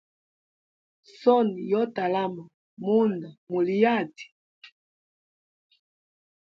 Soni yo utalama munda muli hati.